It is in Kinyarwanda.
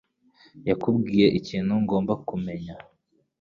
yakubwiye ikintu ngomba kumenya?